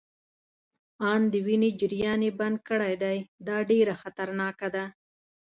آن د وینې جریان يې بند کړی دی، دا ډیره خطرناکه ده.